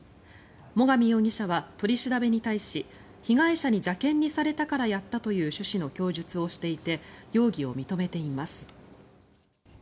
最上容疑者は取り調べに対し被害者に邪険にされたからやったという趣旨の供述をしていて容疑を認めています。